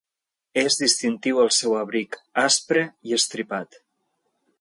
És distintiu el seu abric aspre i estripat.